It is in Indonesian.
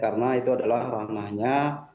karena itu adalah rangahnya